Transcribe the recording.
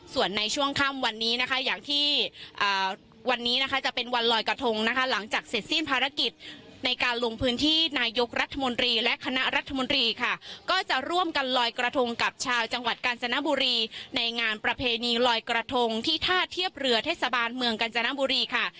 ส่วนในช่วงค่ำวันนี้นะคะอย่างที่วันนี้นะคะจะเป็นวันลอยกระทงนะคะหลังจากเสร็จสิ้นภารกิจในการลงพื้นที่นายกรัฐมนตรีและคณะรัฐมนตรีค่ะ